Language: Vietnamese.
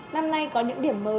năm nay có những điểm mới